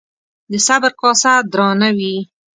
د صبر کاسه درانه وي